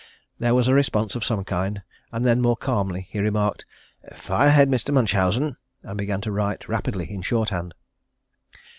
There was a response of some kind, and then more calmly he remarked, "Fire ahead, Mr. Munchausen," and began to write rapidly in short hand.